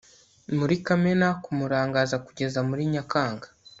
Muri Kamena kumurangaza kugeza muri Nyakanga